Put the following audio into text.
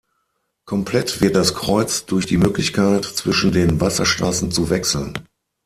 Komplett wird das Kreuz durch die Möglichkeit, zwischen den Wasserstraßen zu wechseln.